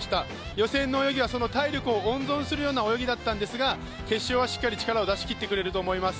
予選の泳ぎはその体力を温存するような泳ぎだったんですが決勝はしっかり力を出し切ってくれると思います。